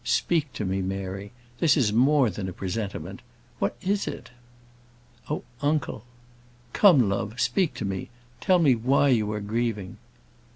"Speak to me, Mary; this is more than a presentiment. What is it?" "Oh, uncle " "Come, love, speak to me; tell me why you are grieving."